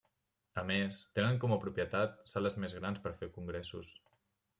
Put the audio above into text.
A més, tenen com a propietat sales més grans per fer congressos.